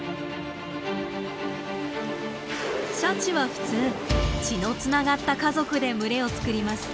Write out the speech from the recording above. シャチはふつう血のつながった家族で群れをつくります。